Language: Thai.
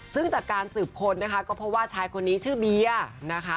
ซึ่งจากการสืบค้นนะคะก็พบว่าชายคนนี้ชื่อเบียร์นะคะ